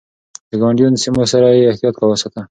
د ګاونډيو سيمو سره يې احتياط ساته.